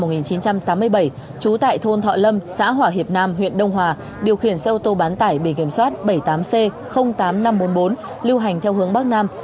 năm một nghìn chín trăm tám mươi bảy trú tại thôn thọ lâm xã hòa hiệp nam huyện đông hòa điều khiển xe ô tô bán tải bị kiểm soát bảy mươi tám c tám nghìn năm trăm bốn mươi bốn lưu hành theo hướng bắc nam